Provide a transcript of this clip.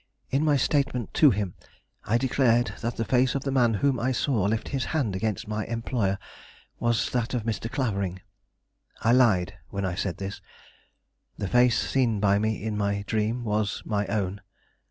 In my statement to him I declared that the face of the man whom I saw lift his hand against my employer was that of Mr. Clavering. I lied when I said this. The face seen by me in my dream was my own.